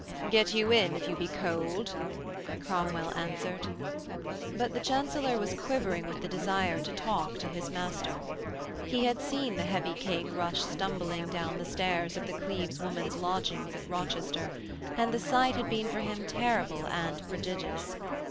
'Get you in if you be cold,' Cromwell answered. But the Chancellor was quivering with the desire to talk to his master. He had seen the heavy King rush stumbling down the stairs of the Cleves woman's lodging at Rochester, and the sight had been for him terrible and prodigious.